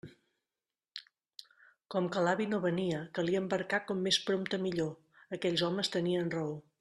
Com que l'avi no venia, calia embarcar com més prompte millor; aquells homes tenien raó.